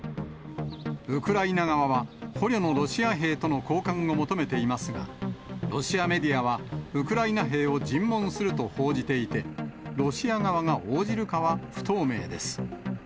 ウクライナ側は、捕虜のロシア兵との交換を求めていますが、ロシアメディアは、ウクライナ兵を尋問すると報じていて、ロシア側が応じるかは不透明です。